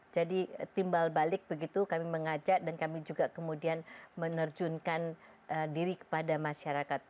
jadi timbal balik begitu kami mengajak dan kami juga kemudian menerjunkan diri kepada masyarakat